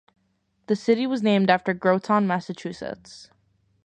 The city was named after Groton, Massachusetts.